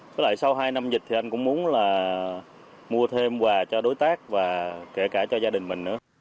với lại sau hai năm dịch thì anh cũng muốn là mua thêm quà cho đối tác và kể cả cho gia đình mình nữa